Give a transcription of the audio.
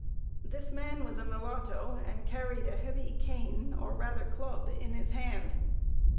This man was a mulatto, and carried a heavy cane, or rather club, in his hand.